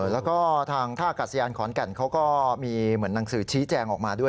แล้วก็ทางท่ากัดสยานขอนแก่นเขาก็มีเหมือนหนังสือชี้แจงออกมาด้วย